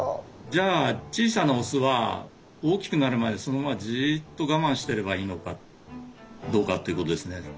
じゃあ小さなオスは大きくなるまでそのままじっとがまんしてればいいのかどうかっていうことですね。